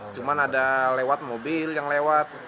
cuma ada lewat mobil yang lewat